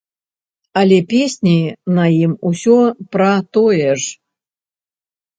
Але песні на ім усё пра тое ж!